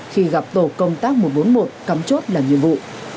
khi gặp tổ công tác một trăm bốn mươi một cắm chốt làm nhiệm vụ